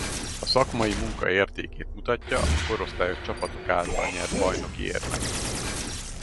A szakmai munka értékét mutatja a korosztályos csapatok által nyert bajnoki érmek.